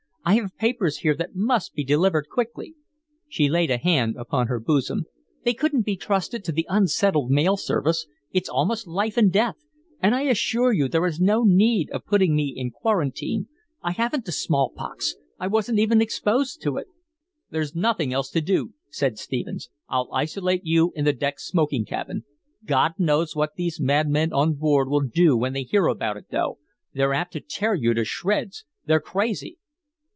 I have papers here that must be delivered quickly." She laid a hand upon her bosom. "They couldn't be trusted to the unsettled mail service. It's almost life and death. And I assure you there is no need of putting me in quarantine. I haven't the smallpox. I wasn't even exposed to it." "There's nothing else to do," said Stephens. "I'll isolate you in the deck smoking cabin. God knows what these madmen on board will do when they hear about it, though. They're apt to tear you to shreds. They're crazy!"